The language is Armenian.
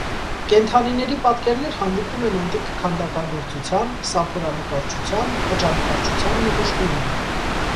Կենդանիների պատկերներ հանդիպում են անտիկ քանդակագործության, սափորանկարչաթյան, խճանկարչության նմուշներում։